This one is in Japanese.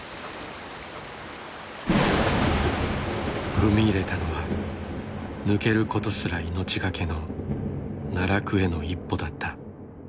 踏み入れたのは抜けることすら命懸けの奈落への一歩だった。